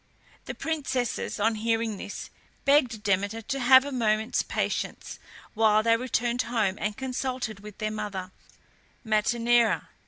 The princesses, on hearing this, begged Demeter to have a moment's patience while they returned home and consulted their mother, Metaneira.